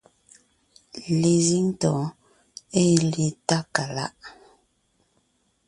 Lezíŋ tɔ̌ɔn ée le Tákaláʼ;